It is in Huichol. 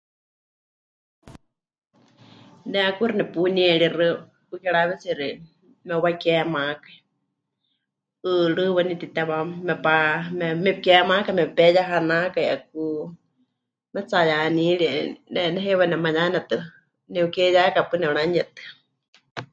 Ne 'akuxi nepunieríxɨ 'ukiraáwetsiixi mepɨwakemakai, 'ɨɨrɨ́ waníu mɨtitewá mepa... mep... mepɨkemakai mepeyehanakai 'aku, matsi'ayehanírieni, ne heiwa nemayanetɨ ne'ukeiyáka paɨ nepɨranuyetɨa.